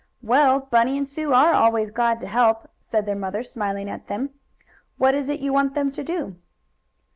"Well, Bunny and Sue are always glad to help," said their mother, smiling at them. "What is it you want them to do?"